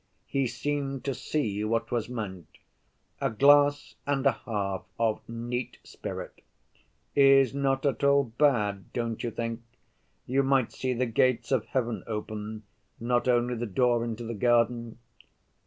He seemed to see what was meant. "A glass and a half of neat spirit—is not at all bad, don't you think? You might see the gates of heaven open, not only the door into the garden?"